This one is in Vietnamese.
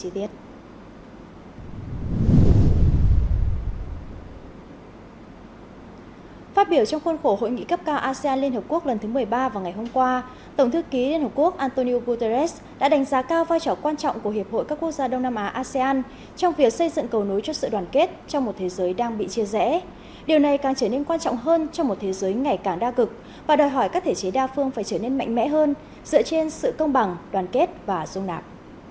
điều này càng trở nên quan trọng hơn trong một thế giới ngày càng đa cực và đòi hỏi các thể chế đa phương phải trở nên mạnh mẽ hơn dựa trên sự công bằng đoàn kết và dung lạc